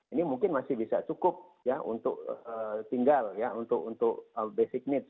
ini mungkin masih bisa cukup untuk tinggal untuk basic needs